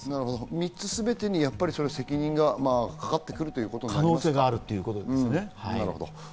３つすべてに責任がかかってくる可能性があるということですね。